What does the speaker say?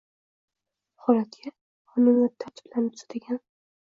Holatga qonun va tartiblarni tuzadigan